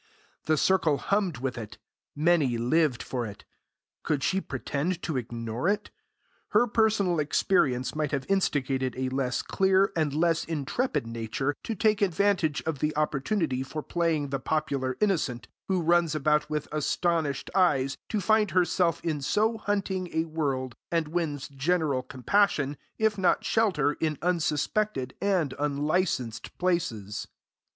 The circle hummed with it; many lived for it. Could she pretend to ignore it? Her personal experience might have instigated a less clear and less intrepid nature to take advantage of the opportunity for playing the popular innocent, who runs about with astonished eyes to find herself in so hunting a world, and wins general compassion, if not shelter in unsuspected and unlicenced places.